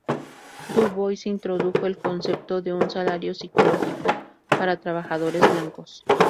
Du Bois introdujo el concepto de un "salario psicológico" para trabajadores blancos.